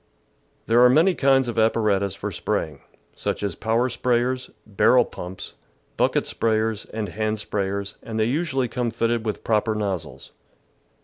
There are many kinds of apparatus for spray ing, such as power sprayers, barrel pumps, bucket sprayers, and hand sprayers, and they usually come fitted with proper nozzles.